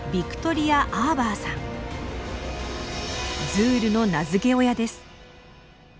ズールの名付け親です。